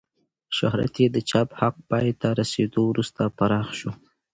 شهرت یې د چاپ حق پای ته رسېدو وروسته پراخ شو.